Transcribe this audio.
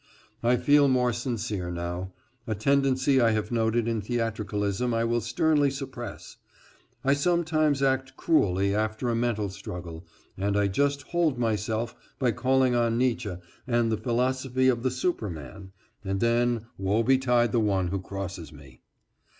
I feel more sincere now. A tendency I have noted to theatricalism I will sternly suppress. I sometimes act cruelly after a mental struggle and I just hold myself by calling on Neitzsche and the philosophy of the superman, and then woe betide the one who crosses me.